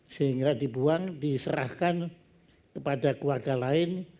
sehingga dibuang diserahkan kepada keluarga lain